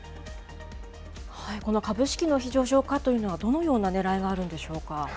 この株式の非上場化というのは、どのようなねらいがあるんでしょうか。